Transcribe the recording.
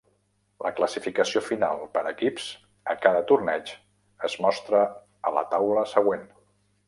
La classificació final per equips a cada torneig es mostra a la taula següent.